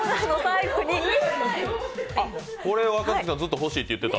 これ、若槻さん、ずっと欲しいって言ってた。